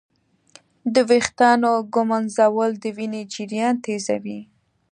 د ویښتانو ږمنځول د وینې جریان تېزوي.